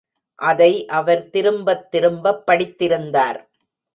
அதை அவர் திரும்பத் திரும்பப் படித்திருந்தார்.